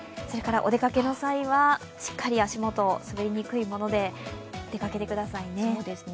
お出かけの際はしっかり足元、滑りにくいもので出かけてくださいね。